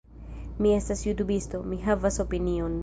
Mi estas jutubisto. Mi havas opinion.